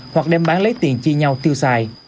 hoặc đem bán lấy tiền chi nhau tiêu xài